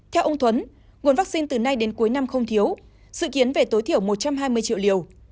theo ông thuấn nguồn vaccine từ nay đến cuối năm không thiếu sự kiến về tối thiểu một trăm hai mươi triệu liều